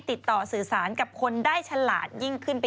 พี่ชอบแซงไหลทางอะเนาะ